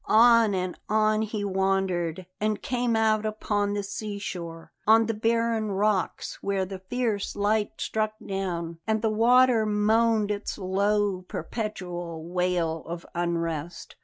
On and on he wandered, and came out upon the sea shore, on the barren rocks where the fierce light struck down, and the water moaned its low, perpetual wail of unrest.